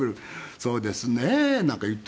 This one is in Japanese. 「そうですね」なんか言ってほしいのに。